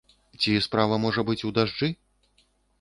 Ці справа можа быць у дажджы?